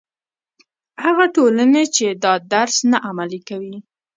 هغه ټولنې چې دا درس نه عملي کوي.